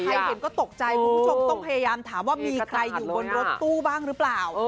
เห็นก็ตกใจคุณผู้ชมต้องพยายามถามว่ามีใครอยู่บนรถตู้บ้างหรือเปล่า